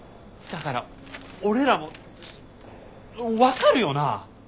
だから俺らも分かるよな？